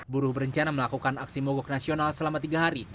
buruh berencana melakukan aksi mogok nasional selama tiga hari